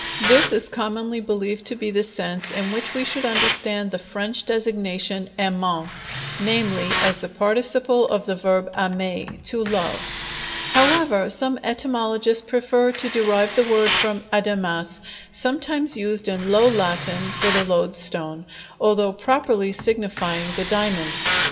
This is commonly believed to be the sense in which we should understand the French designation aimant, namely, as the participle of the verb aimer, "to love"; however, some etymologists prefer to derive the word from adamas, sometimes used in Low Latin for the loadstone, although properly signifying the diamond.